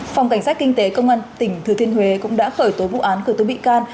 phòng cảnh sát kinh tế công an tỉnh thừa thiên huế cũng đã khởi tố vụ án khởi tố bị can